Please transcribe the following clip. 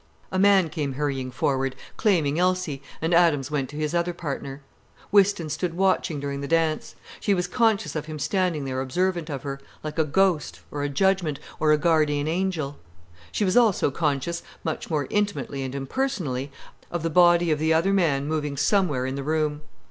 A man came hurrying forward, claiming Elsie, and Adams went to his other partner. Whiston stood watching during the dance. She was conscious of him standing there observant of her, like a ghost, or a judgment, or a guardian angel. She was also conscious, much more intimately and impersonally, of the body of the other man moving somewhere in the room.